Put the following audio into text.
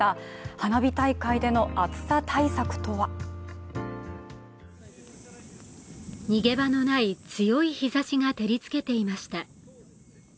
花火大会での暑さ対策とは逃げ場のない、強い日ざしが照りつけていました。